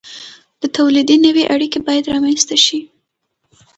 د تولید نوې اړیکې باید رامنځته شي.